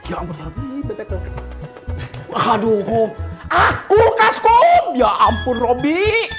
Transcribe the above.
aduh kulkas ya ampun robby